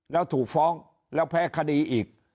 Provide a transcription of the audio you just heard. แล้วถูกฟ้องแล้วแพ้คดีอีก